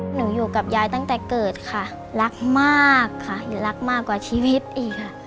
อยู่กับยายตั้งแต่เกิดค่ะรักมากค่ะรักมากกว่าชีวิตอีกค่ะ